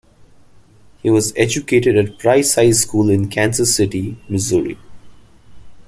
He was educated at Price High School in Kansas City, Missouri.